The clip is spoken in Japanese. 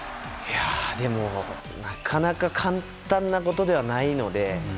でも、なかなか簡単なことではないので。